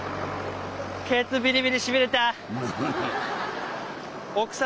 ケツビリビリしびれた。